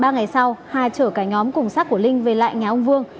ba ngày sau hà chở cả nhóm cùng sát của linh về lại nhà ông vương